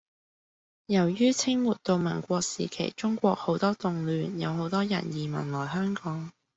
由於清末到民國時期中國好多動亂，有好多人移民來香港